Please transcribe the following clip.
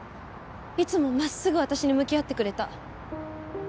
いつも真っすぐ私に向き合ってくれた。